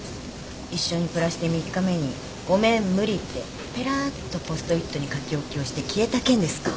一緒に暮らして３日目に「ごめん無理」ってぺらっとポスト・イットに書き置きをして消えた件ですか？